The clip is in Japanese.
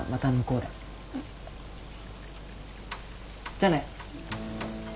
じゃあね。